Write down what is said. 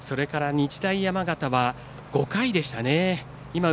日大山形は５回でしたね。